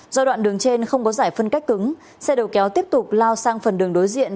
do đoạn đường trên không có giải phân cách cứng xe đầu kéo tiếp tục lao sang phần đường đối diện